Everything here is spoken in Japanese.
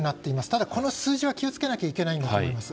ただ、この数字は気を付けないといけないと思います。